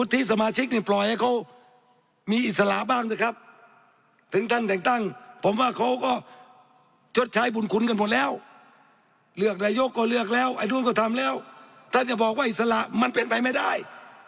ท่านอย่าบอกว่าอิสระมันเป็นไปไม่ได้